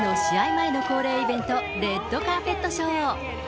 前の恒例イベント、レッドカーペットショー。